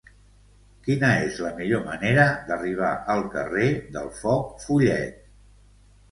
Quina és la millor manera d'arribar al carrer del Foc Follet?